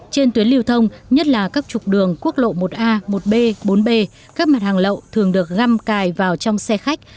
trên tuyến lưu thông nhất là các trục đường quốc lộ một a một b bốn b các mặt hàng lậu thường được găm cài vào trong xe khách